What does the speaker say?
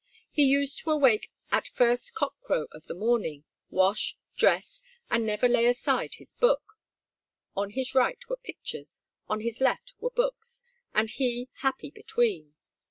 He used to awake at first cock crow of the morning, wash, dress, and never lay aside his book. On his right were pictures, on his left were books, and he happy between.